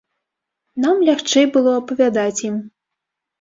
Нам лягчэй было апавядаць ім.